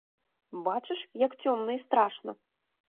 Бачыш, як цёмна і страшна!